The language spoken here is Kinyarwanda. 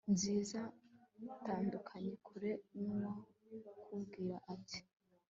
nziza ! itandukanye kure n'uwakubwira ati